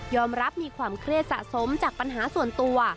มีความเครียดสะสมจากปัญหาส่วนตัว